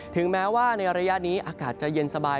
ถึงแม้ว่าในระยะนี้อากาศจะเย็นสบาย